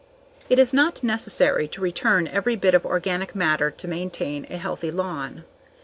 It is not necessary to return every bit of organic matter to maintain a healthy lawn.